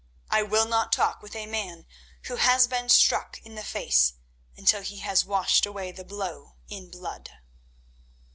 I will not talk with a man who has been struck in the face until he has washed away the blow in blood."